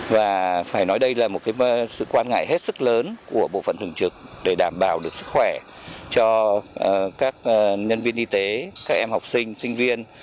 và phải nói đây là một sự quan ngại hết sức lớn của bộ phận thường trực để đảm bảo được sức khỏe cho các nhân viên y tế các em học sinh sinh viên